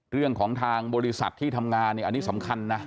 เรื่องของทางบริษัทที่ทำงานเนี่ยอันนี้สำคัญนะ